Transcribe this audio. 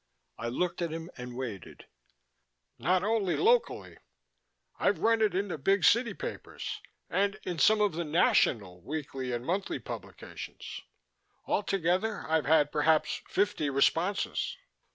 I looked at him and waited. "Not only locally I've run it in the big city papers, and in some of the national weekly and monthly publications. All together, I've had perhaps fifty responses."